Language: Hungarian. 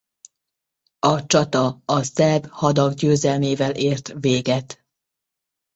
A csata a szerb hadak győzelmével ért véget.